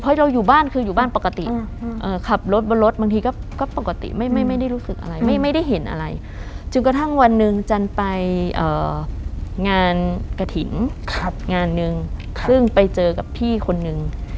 เพราะเราอยู่บ้านคืออยู่บ้านปกติขับรถบนรถบางทีก็ปกติไม่ได้รู้สึกอะไรไม่ได้เห็นอะไรจนกระทั่งวันหนึ่งจันไปงานกระถิ่นงานหนึ่งซึ่งไปเจอกับพี่คนนึง